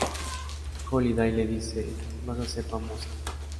Holiday le dice, “Vas a ser famosa.